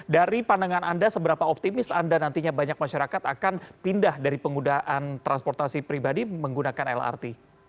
dari pandangan anda seberapa optimis anda nantinya banyak masyarakat akan pindah dari penggunaan transportasi pribadi menggunakan lrt